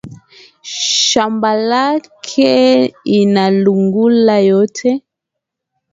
Shamba yake ina lungula yote